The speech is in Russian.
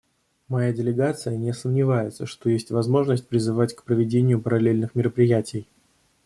Моя делегация не сомневается, что есть возможность призывать к проведению параллельных мероприятий.